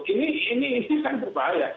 ini ini ini kan berbahaya